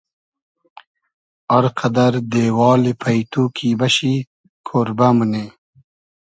ار قئدئر دېوالی پݷتو کی بئشی کۉربۂ مونی